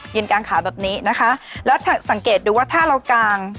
กลางขาแบบนี้นะคะแล้วสังเกตดูว่าถ้าเรากาง